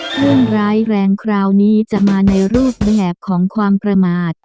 เรื่องร้ายแรงคราวนี้จะมาในรูปแบบของความประมาท